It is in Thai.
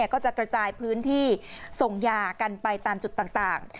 ก็จะกระจายพื้นที่ส่งยากันไปตามจุดต่าง